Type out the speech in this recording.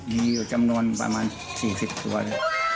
มีอยู่จำนวนประมาณ๔๐ควร